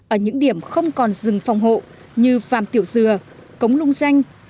ở những điểm không còn rừng phòng hộ như phàm tiểu dừa cống lung danh